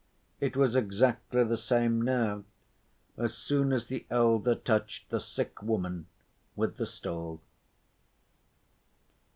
It was exactly the same now as soon as the elder touched the sick woman with the stole.